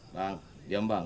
bang diam bang